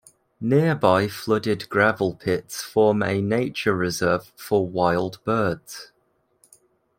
Nearby flooded gravel pits form a nature reserve for wild birds.